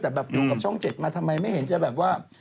แต่แบบอยู่กับช่อง๗มาทำไมไม่เห็นจะแบบว่า